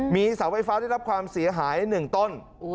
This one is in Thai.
มีเสาไฟฟ้าได้รับความเสียหาย๑ต้น